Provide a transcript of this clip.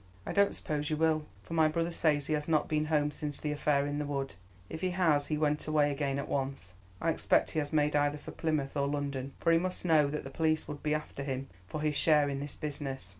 "I don't suppose you will, for my brother says he has not been home since the affair in the wood. If he has, he went away again at once. I expect he has made either for Plymouth or London, for he must know that the police would be after him for his share in this business.